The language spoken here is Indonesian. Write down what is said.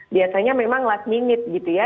biasanya memang last minute gitu ya